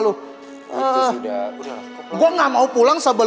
gue harus tetap kejar devil